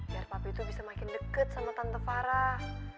biar papi itu bisa makin deket sama tante farah